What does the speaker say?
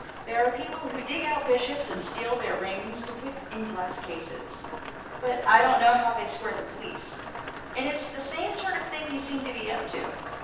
There are people who dig out Bishops and steal their rings to put in glass cases, but I don't know how they square the police ; and it's the same sort of thing you seem to be up to.